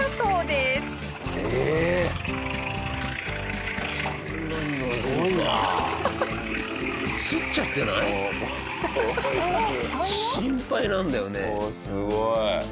すごい。